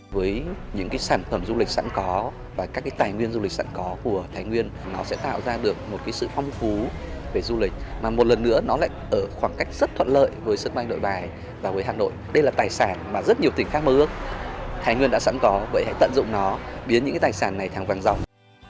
với những sản phẩm du lịch sẵn có và các tài nguyên du lịch sẵn có của thái nguyên nó sẽ tạo ra được một sự phong phú về du lịch mà một lần nữa nó lại ở khoảng cách rất thuận lợi với sân bay nội bài và với hà nội đây là tài sản mà rất nhiều tỉnh khác mơ ước thái nguyên đã sẵn có vậy hãy tận dụng nó biến những cái tài sản này thẳng vang dòng